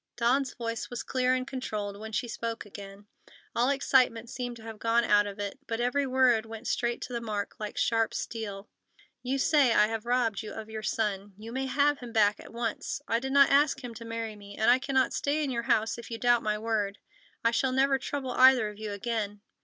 Dawn's voice was clear and controlled when she spoke again. All excitement seemed to have gone out of it, but every word went straight to the mark like sharp steel: "You say I have robbed you of your son. You may have him back again at once. I did not ask him to marry me, and I cannot stay in your house if you doubt my word. I shall never trouble either of you again."